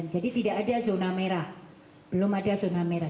jadi tidak ada zona merah belum ada zona merah